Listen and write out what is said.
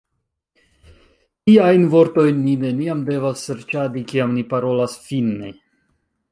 Tiajn vortojn ni neniam devas serĉadi, kiam ni parolas finne.